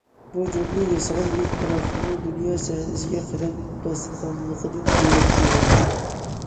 بۇ، جۇڭگو ياسىغان يۈك پاراخوتنىڭ دۇنيا سەھنىسىگە قەدەم باسقانلىقىدىن دېرەك بېرىدىكەن.